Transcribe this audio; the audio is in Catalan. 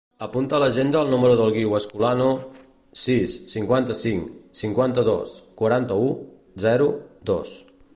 Apunta a l'agenda el número del Guiu Escolano: sis, cinquanta-cinc, cinquanta-dos, quaranta-u, zero, dos.